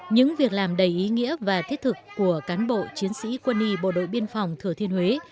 những việc làm đầy ý nghĩa và thiết thực của cán bộ chiến sĩ quân y bộ đội biên phòng thừa thiên huế